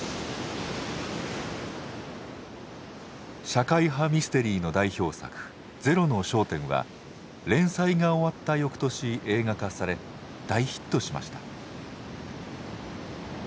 社会派ミステリーの代表作「ゼロの焦点」は連載が終わった翌年映画化され大ヒットしました。